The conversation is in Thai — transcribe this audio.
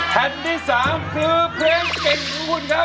แผ่นที่๓คือเพลงเก่งของคุณครับ